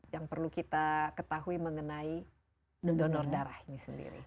yang perlu kita ketahui mengenai donor darah ini sendiri